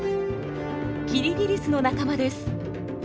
キリギリスの仲間です。